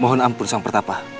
mohon ampun sang pertapa